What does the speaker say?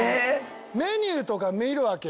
メニューとか見るわけよ。